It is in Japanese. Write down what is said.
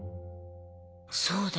そうだ。